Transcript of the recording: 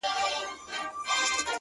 زه به د څو شېبو لپاره نور،